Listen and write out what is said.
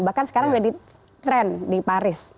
bahkan sekarang udah di trend di paris